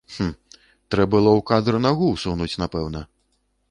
Хм, трэ было ў кадр нагу ўсунуць, напэўна.